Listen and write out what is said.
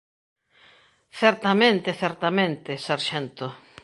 Certamente, certamente, sarxento.